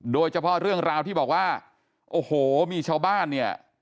โดยเฉพาะเรื่องราวที่บอกว่าโอ้โหมีชาวบ้านเนี่ย